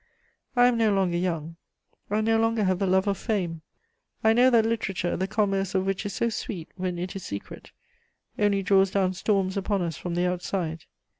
I am no longer young, I no longer have the love of fame; I know that literature, the commerce of which is so sweet when it is secret, only draws down storms upon us from the outside.